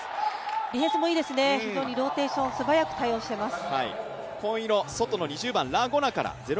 ディフェンスもいいですね、非常にローテーション、素早く対応しています。